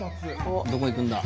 どこ行くんだ？